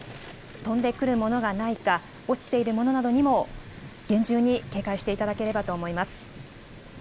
飛んでくるものがないか、落ちているものなどにも厳重に警戒していただければと思います。